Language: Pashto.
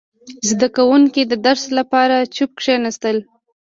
• زده کوونکي د درس لپاره چوپ کښېناستل.